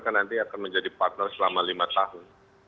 karena nanti akan menjadi partner selama lima tahun